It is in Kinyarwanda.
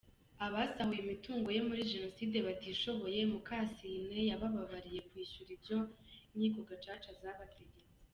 Abasahuye imitungo ye muri Jenoside batishoboye, Mukasine yababariye kwishyura ibyo Inkiko Gacaca zabategetse.